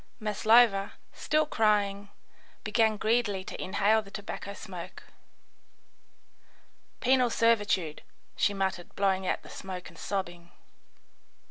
Maslova, still crying, began greedily to inhale the tobacco smoke. "Penal servitude," she muttered, blowing out the smoke and sobbing.